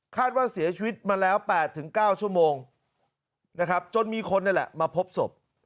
คาดว่าเสียชีวิตมาแล้ว๘๙ชั่วโมงจนมีคนนี่แหละมาพบศพ